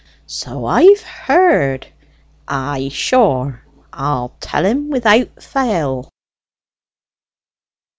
"So I've heard. Ay, sure, I'll tell him without fail."